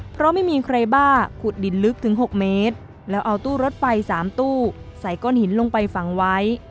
เพราะไม่มีใครบ้าขุดดินลึกถึง๖เมตรแล้วเอาตู้รถไฟ๓ตู้ใส่ก้อนหินลงไปฝังไว้